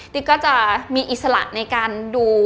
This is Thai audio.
ก็จะมีอิสระในการดู